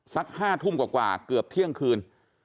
สัก๕ทุ่มกว่าเกือบเที่ยงคืน